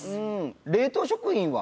冷凍食品は？